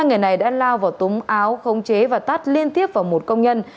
hai người này đã lao vào túng áo không chế và tát liên tiếp vào một công nhân